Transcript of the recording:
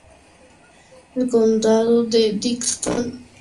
El Condado de Dickson, limita al noreste por el río Cumberland.